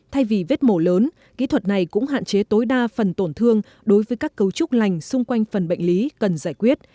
thay vì vết mổ lớn kỹ thuật này cũng hạn chế tối đa phần tổn thương đối với các cấu trúc lành xung quanh phần bệnh lý cần giải quyết